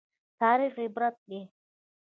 تاریخ عبرت دی